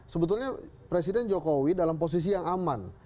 sebetulnya presiden jokowi dalam posisi yang aman